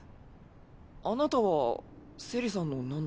あなたはセリさんの何なの？